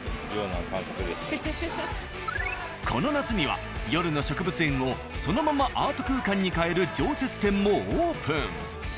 この夏には夜の植物園をそのままアート空間に変える常設展もオープン。